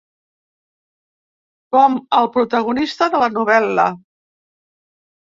Com el protagonista de la novel·la.